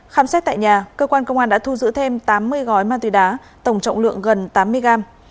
khám xét tại nhà cơ quan công an đã thu giữ thêm tám mươi gói ma túy đá tổng trọng lượng gần tám mươi gram